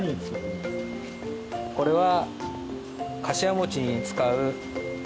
これは。